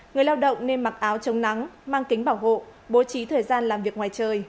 người lao động nên mặc áo chống nắng mang kính bảo hộ bố trí thời gian làm việc ngoài trời